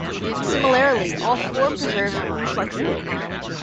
Similarly, all four preserve reflexivity.